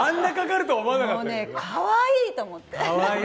もうね、かわいいと思って。